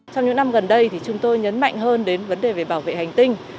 trong những năm gần đây chúng tôi nhấn mạnh hơn đến vấn đề về bảo vệ hành tinh